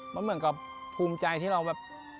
มันเหมือนกับภูมิใจที่เราแบบ